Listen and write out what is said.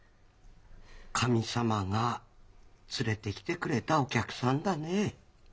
神様が連れてきてくれたお客さんだねぇ。